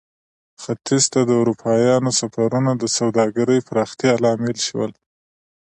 ختیځ ته د اروپایانو سفرونه د سوداګرۍ پراختیا لامل شول.